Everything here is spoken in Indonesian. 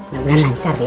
gak mudah lancar ye